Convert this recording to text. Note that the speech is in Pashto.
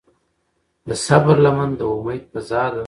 د صبر لمن د امید فضا ده.